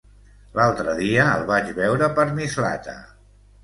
L'altre dia el vaig veure per Mislata.